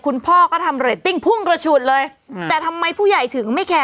คุณพ่อก็ทำเรตติ้งพุ่งกระฉุดเลยแต่ทำไมผู้ใหญ่ถึงไม่แคร์